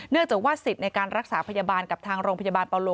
จากว่าสิทธิ์ในการรักษาพยาบาลกับทางโรงพยาบาลปาโล